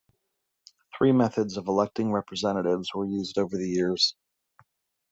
Three methods of electing representatives were used over the years.